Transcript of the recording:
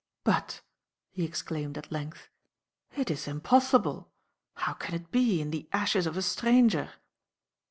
"But," he exclaimed, at length, "it is impossible! How can it be, in the ashes of a stranger!"